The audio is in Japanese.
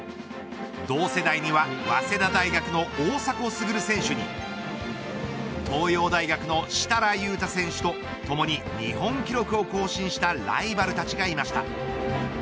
同世代には早稲田大学の大迫傑選手に東洋大学の設楽悠太選手とともに日本記録を更新したライバルたちがいました。